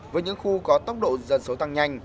với những khu có tốc độ dân số tăng nhanh